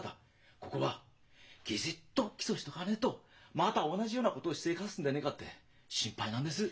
こごはきぢっと起訴しとかねえとまた同じようなことをしでかすんでねえがって心配なんです。